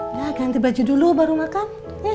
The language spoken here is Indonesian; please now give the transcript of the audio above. nah ganti baju dulu baru makan